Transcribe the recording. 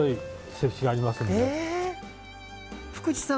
福地さん